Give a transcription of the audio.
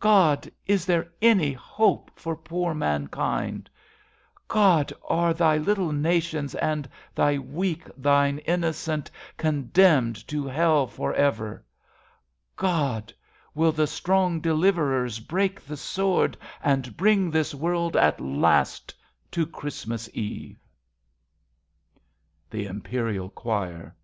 God, is there any hope for poor man kind ? God, are Thy little nations and Thy weak, Thine innocent, condemned to hell for ever? God, will the strong deliverers break the sword 73 RADA And bring this world at last to Christ mas Eve ? The Imperial Choir.